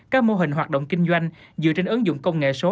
các mô hình hoạt động kinh doanh dựa trên ứng dụng công nghệ số